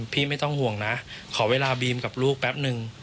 ไม่ต้องห่วงนะขอเวลาบีมกับลูกแป๊บนึง